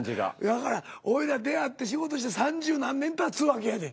だから俺ら出会って仕事して３０何年たつわけやねん。